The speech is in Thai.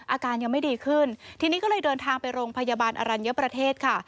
อาการยังไม่ดีขึ้นทีนี้ก็เลยเดินทางไปโรงพยาบาลอรัญญประเทศค่ะ